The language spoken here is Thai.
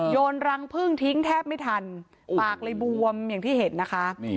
โยนรังพึ่งทิ้งแทบไม่ทันปากเลยบวมอย่างที่เห็นนะคะ